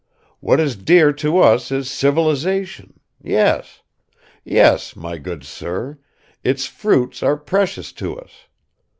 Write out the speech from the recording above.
What is dear to us is civilization, yes, yes, my good sir, its fruits are precious to us.